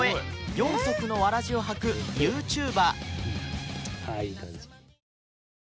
四足のわらじをはく ＹｏｕＴｕｂｅｒ